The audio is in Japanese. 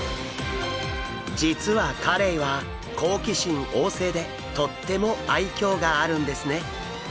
実はカレイは好奇心旺盛でとっても愛嬌があるんですね。